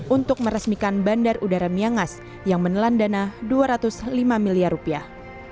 untuk meresmikan bandar udara miangas yang menelan dana dua ratus lima miliar rupiah